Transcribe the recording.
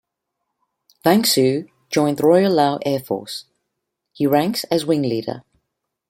Vang Sue joined the Royal Lao Air Force He ranks as Wing Leader.